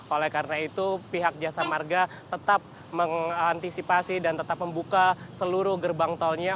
oleh karena itu pihak jasa marga tetap mengantisipasi dan tetap membuka seluruh gerbang tolnya